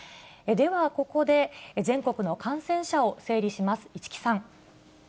では、ここで全国の感染者を整理します。